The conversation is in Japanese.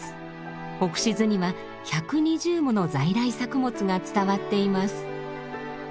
オクシズには１２０もの在来作物が伝わっています。